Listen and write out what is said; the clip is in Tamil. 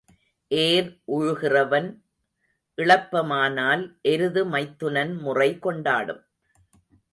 ஏர் உழுகிறவன் இளப்பமானால் எருது மைத்துனன் முறை கொண்டாடும்.